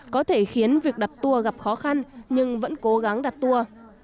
có thể khiến việc đặt tour gặp khó khăn nhưng vẫn cố gắng đặt tour